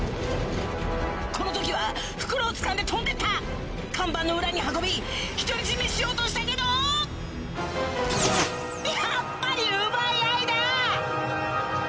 この時は袋をつかんで飛んでった看板の裏に運び独り占めしようとしたけどやっぱり奪い合いだ！